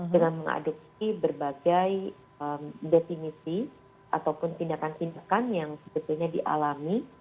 dengan mengadopsi berbagai definisi ataupun tindakan tindakan yang sebetulnya dialami